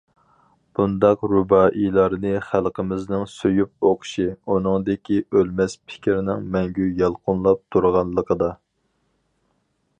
بۇنداق رۇبائىيلارنى خەلقىمىزنىڭ سۆيۈپ ئوقۇشى ئۇنىڭدىكى ئۆلمەس پىكىرنىڭ مەڭگۈ يالقۇنلاپ تۇرغانلىقىدا.